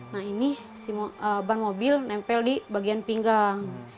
nah ini si ban mobil nempel di bagian pinggang